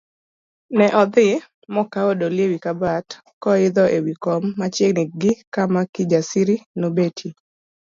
Ne odhi mokawo doli ewi kabat koidho ewi kom machiegni gi kama Kijasiri nobetie.